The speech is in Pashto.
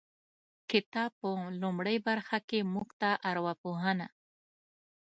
کتاب په لومړۍ برخه کې موږ ته ارواپوهنه